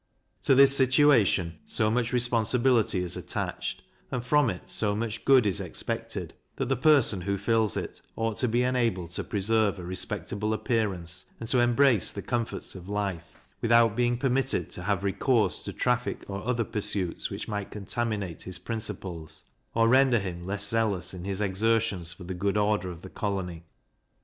To this situation so much responsibility is attached, and from it so much good is expected, that the person who fills it ought to be enabled to preserve a respectable appearance, and to embrace the comforts of life, without being permitted to have recourse to traffic or other pursuits which might contaminate his principles, or render him less zealous in his exertions for the good order of the colony.